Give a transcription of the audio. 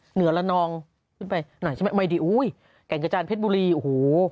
เหนือละนองขึ้นไปไหนใช่ไหมไม่ดีอุ้ยแก่งกระจานเพชรบุรีโอ้โห